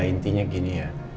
intinya gini ya